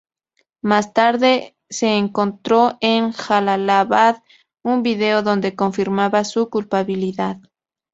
Más tarde, se encontró en Jalalabad un vídeo donde confirmaba su culpabilidad.